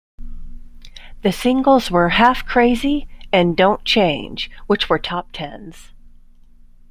The singles were "Halfcrazy" and "Dontchange", which were top tens.